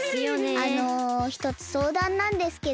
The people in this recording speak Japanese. あのひとつそうだんなんですけど